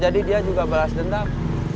jadi dia juga balas dendam